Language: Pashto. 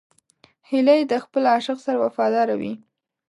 هیلۍ د خپل عاشق سره وفاداره وي